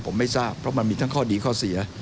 ผมไม่ทราบเพราะมันมีทั้งข้อดีข้อเสีย